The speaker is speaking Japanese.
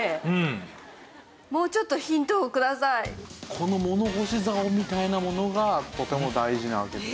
この物干し竿みたいなものがとても大事なわけですね。